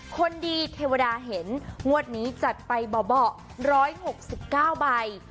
คนดีเทวดาเห็นงวดนี้จัดไปบ่อบ่อร้อยหกสิบเก้าใบ